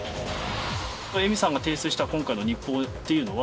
恵美さんが提出した今回の日報というのは。